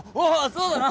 そうだな！